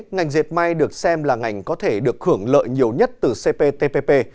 ngành dệt may được xem là ngành có thể được hưởng lợi nhiều nhất từ cptpp